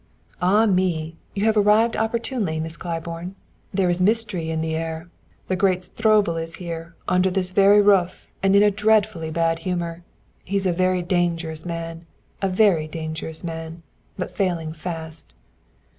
"Ah me! You have arrived opportunely, Miss Claiborne. There's mystery in the air the great Stroebel is here under this very roof and in a dreadfully bad humor. He is a dangerous man a very dangerous man, but failing fast.